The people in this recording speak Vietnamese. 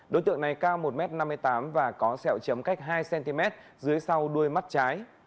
đối tượng này cao một m năm mươi tám và có sẹo chấm cách hai cm dưới sau đuôi mắt trái